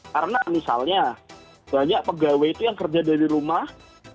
karena misalnya banyak pegawai itu yang kerja dari rumah